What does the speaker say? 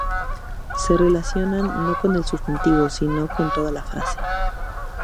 Se relacionan no con el sustantivo sino con toda la frase.